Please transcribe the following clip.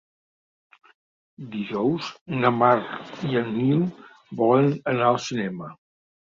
Dijous na Mar i en Nil volen anar al cinema.